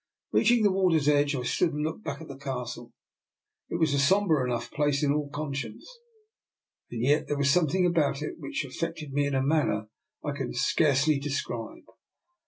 Reaching the water's edge, I stood and looked back at the Castle. It was a sombre enough place in all con science, and yet there was something about it now which affected me in a manner I can scarcely describe.